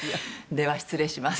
では失礼します。